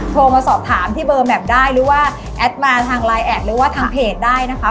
โทรมาสอบถามที่เบอร์แมพได้หรือว่าแอดมาทางไลน์แอดหรือว่าทางเพจได้นะคะ